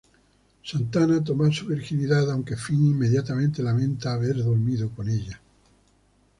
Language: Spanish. Santana toma su virginidad, aunque Finn inmediatamente lamenta haber dormido con ella.